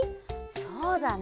そうだね。